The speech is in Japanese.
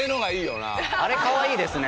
あれかわいいですね。